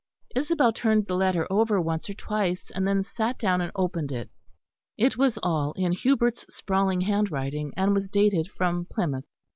Isabel turned the letter over once or twice; and then sat down and opened it. It was all in Hubert's sprawling handwriting, and was dated from Plymouth.